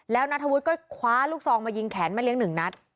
แล้วนัทธวุฒิขว้าลูกทรองมาจะยิงแขนแม่เลี้ยง๑นัท